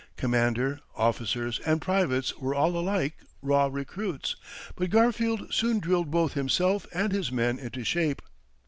Commander, officers, and privates were all alike, raw recruits; but Garfield soon drilled both himself and his men into shape.